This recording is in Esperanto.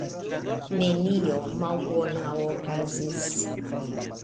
Nenio malbona okazis.